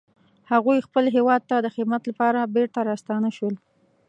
هغوی خپل هیواد ته د خدمت لپاره بیرته راستانه شول